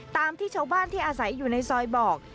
ตามที่ชาวบ้านที่อาศัยอยู่ในซอยบอก